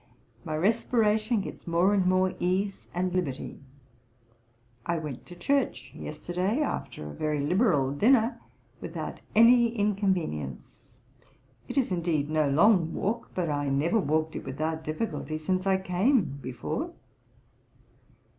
My respiration gets more and more ease and liberty. I went to church yesterday, after a very liberal dinner, without any inconvenience; it is indeed no long walk, but I never walked it without difficulty, since I came, before.